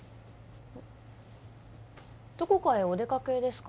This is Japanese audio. どこかへお出かけですか？